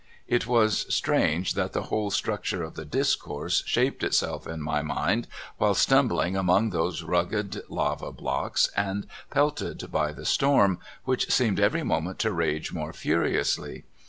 '^ It was strange that the whole structure of the discourse shaped itself in my mind while stumbling among those rugged lava blocks, and pelted by the storm, w^hich seemed every moment to rage more furiously.